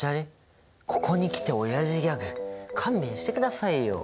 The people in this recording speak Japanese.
ここに来ておやじギャグ勘弁してくださいよ。